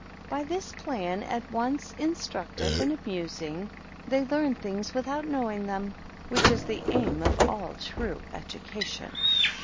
By this plan, at once instructive and amusing, they learn things without knowing them, which is the aim of all true education.